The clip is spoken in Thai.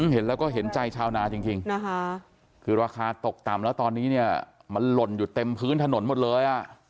เห็นแล้วก็เห็นใจชาวนาจริงนะคะคือราคาตกต่ำแล้วตอนนี้เนี่ยมันหล่นอยู่เต็มพื้นถนนหมดเลย